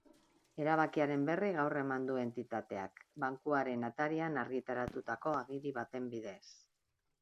Erabakiaren berri gaur eman du entitateak, bankuaren atarian argitaratutako agiri baten bidez.